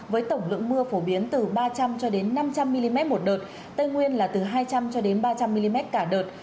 với tổng lượng mưa phổ biến từ ba trăm linh cho đến năm trăm linh mm một đợt tây nguyên là từ hai trăm linh cho đến ba trăm linh mm cả đợt